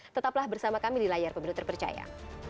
tetaplah bersama kami di layar pemilu terpercaya